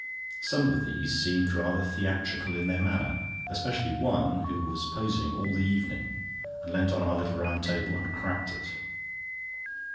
Some of these seemed rather theatrical in their manner, especially one, who was posing all the evening, and leant on our little round table and cracked it.